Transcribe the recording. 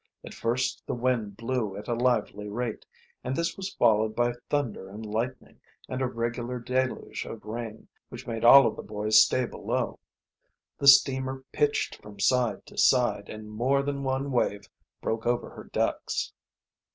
At first the wind blew at a lively rate, and this was followed by thunder and lightning and a regular deluge of rain, which made all of the boys stay below. The steamer pitched from side to side and more than one wave broke over her decks.